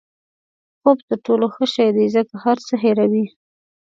خوب تر ټولو ښه شی دی ځکه هر څه هیروي.